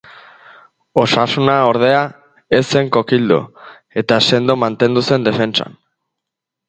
Osasuna, ordea, ez zen kokildu eta sendo mantendu zen defentsan.